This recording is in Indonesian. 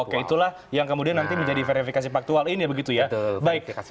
oke itulah yang kemudian nanti menjadi verifikasi faktual ini begitu ya